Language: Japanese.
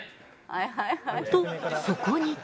とそこに。